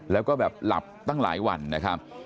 แล้วก็แบบหลับตั้งหลายวันนะครับ